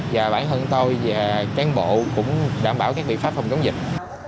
và bản thân tôi và cán bộ cũng đảm bảo các biện pháp phòng chống dịch